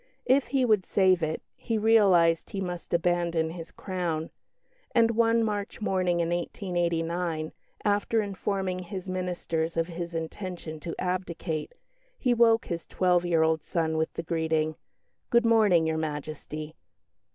If he would save it, he realised he must abandon his crown; and one March morning in 1889, after informing his ministers of his intention to abdicate, he awoke his twelve year old son with the greeting, "Good morning, Your Majesty!"